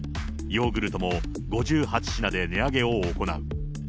ヨーグルトも５８品で値上げを行う。